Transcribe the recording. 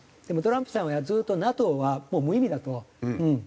でもトランプさんはずっとＮＡＴＯはもう無意味だと。